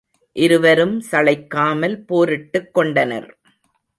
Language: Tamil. இருவரும் சளைக்காமல் போரிட்டுக் கொண்டனர்.